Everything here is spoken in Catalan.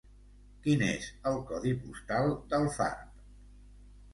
Quin és el codi postal d'Alfarb?